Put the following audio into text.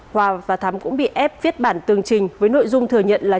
hòa và thắm cũng bị ép viết bản tường trình với nội dung thừa nhận là